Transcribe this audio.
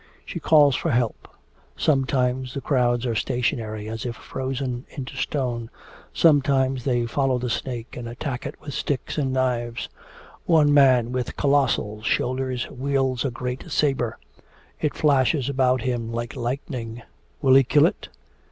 She calls for help. Sometimes the crowds are stationary, as if frozen into stone, sometimes they follow the snake and attack it with sticks and knives. One man with colossal shoulders wields a great sabre; it flashes about him like lightning. Will he kill it?